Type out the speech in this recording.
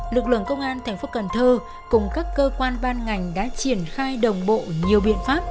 lực lượng công an thành phố cần thơ cùng các cơ quan ban ngành đã triển khai đồng bộ nhiều biện pháp